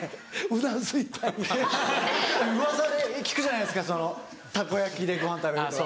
うわさで聞くじゃないですかたこ焼きでご飯食べるとか。